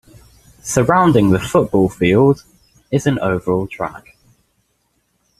Surrounding the football field is an oval track.